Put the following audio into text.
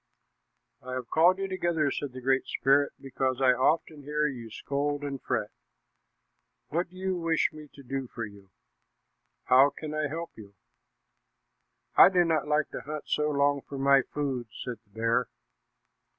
"I have called you together," said the Great Spirit, "because I often hear you scold and fret. What do you wish me to do for you? How can I help you?" "I do not like to hunt so long for my food," said the bear.